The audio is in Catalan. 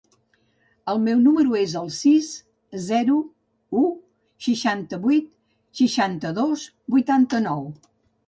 El meu número es el sis, zero, u, seixanta-vuit, seixanta-dos, vuitanta-nou.